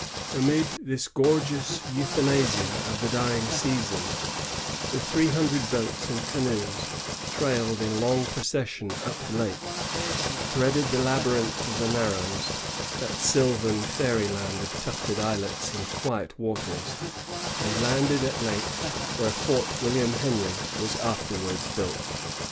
Amid this gorgeous euthanasia of the dying season, the three hundred boats and canoes trailed in long procession up the lake, threaded the labyrinth of the Narrows, — that sylvan fairy land of tufted islets and quiet waters, —and landed at length where Fort William Henry was afterwards built.